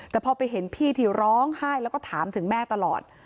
แต่พอไปเห็นพี่ที่ร้องไห้แล้วก็ถามถึงแม่ตลอด